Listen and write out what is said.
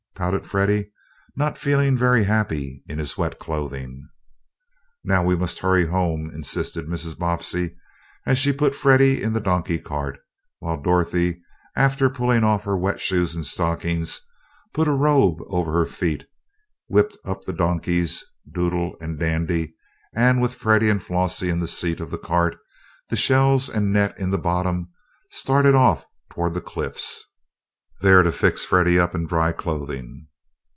pouted Freddie, not feeling very happy in his wet clothing. "Now we must hurry home," insisted Mrs. Bobbsey, as she put Freddie in the donkey cart, while Dorothy, after pulling off her wet shoes and stockings, put a robe over her feet, whipped up the donkeys, Doodle and Dandy, and with Freddie and Flossie in the seat of the cart, the shells and net in the bottom, started off towards the cliffs, there to fix Freddie up in dry clothing.